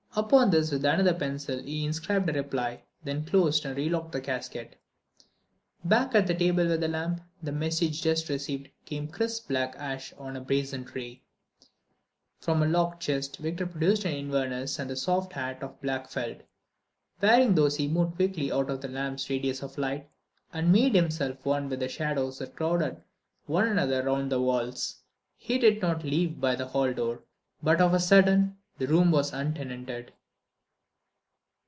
Upon this with another pencil he inscribed a reply, then closed and relocked the casket. Back at the table with the lamp, the message just received became crisp black ash on a brazen tray. From a locked chest Victor produced an inverness and a soft hat of black felt. Wearing these he moved quietly out of the lamp's radius of light, and made himself one with the shadows that crowded one another round the walls. He did not leave by the hall door; but of a sudden the room was untenanted.